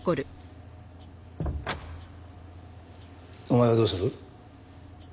お前はどうする？